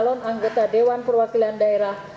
seorang penganggota dewan perwakilan daerah